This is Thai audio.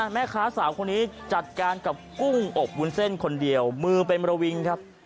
แม่ค้าสาวคนนี้จัดการกับกุ้งอบวุ้นเส้นคนเดียวมือเป็นระวิงครับ